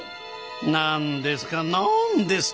何ですか何ですか。